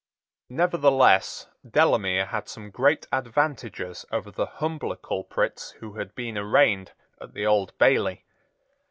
Nevertheless, Delamere had some great advantages over the humbler culprits who had been arraigned at the Old Bailey.